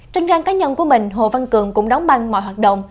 trên trang cá nhân của mình hồ văn cường cũng đóng băng mọi hoạt động